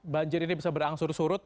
banjir ini bisa berangsur surut